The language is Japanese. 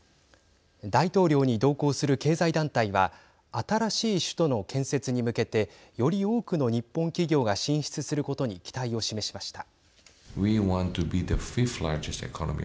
大統領に同行する経済団体は新しい首都の建設に向けてより多くの日本企業が進出することに期待を示しました。